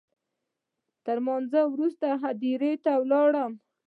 تر لمانځه وروسته هدیرې ته ولاړم.